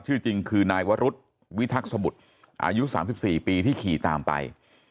ชื่อจริงคือนายวรุฒิวิทักษมศ์สมุทรอายุสามสิบสี่ปีที่ขี่ตามไป